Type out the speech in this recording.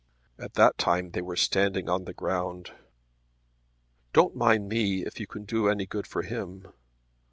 At that time they were standing on the ground. "Don't mind me if you can do any good to him."